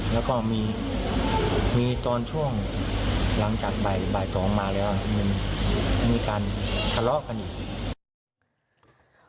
แล้วก็มีตอนช่วงหลังจากบ่าย๒มาแล้วมันมีการทะเลาะกันอีก